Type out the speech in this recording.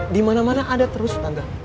dimana mana ada terus tante